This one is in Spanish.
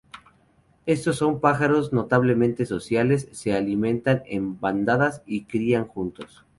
Éstos son pájaros notablemente sociales, se alimentan en bandadas y crían juntos.